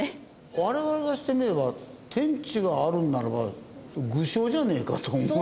我々からしてみれば天地があるんならば具象じゃねえかと思う。